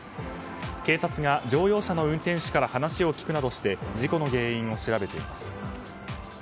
警察が乗用車の運転手から話を聞くなどして事故の原因を調べています。